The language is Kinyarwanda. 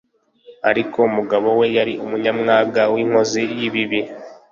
ariko umugabo we yari umunyamwaga w’inkozi y’ibibi